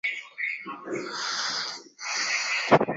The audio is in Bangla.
তোমার কী হবে?